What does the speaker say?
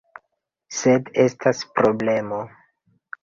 Sed estas... problemo: